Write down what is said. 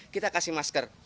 kita kasih masker